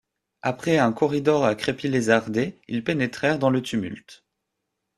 Après un corridor à crépi lézardé, ils pénétrèrent dans le tumulte.